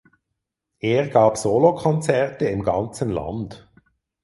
Er gab Solokonzerte im ganzen Land.